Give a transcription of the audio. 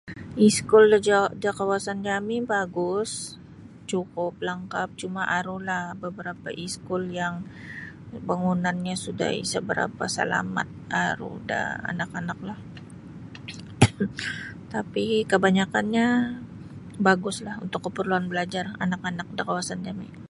Iskul da jak da kawasan jami bagus cukup langkap cuma aru la beberapa iskul yang bangunanyo suda isa barapa salamat aru da anak-anaklah tapi kabanyakanya baguslah untuk kaparluan belajar anak-anak da kawasan jami.